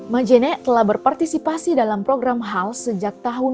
majene telah berpartisipasi dalam program hals sejak tahun dua ribu